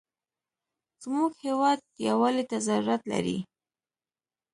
زموږ هېواد یوالي ته ضرورت لري.